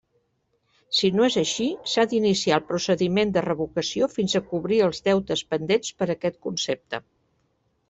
Si no és així, s'ha d'iniciar el procediment de revocació fins a cobrir els deutes pendents per aquest concepte.